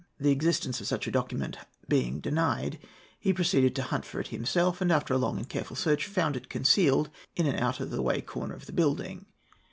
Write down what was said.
The existence of such a document being denied, he proceeded to hunt for it himself, and, after long and careful search, found it concealed in an out of the way corner of the building.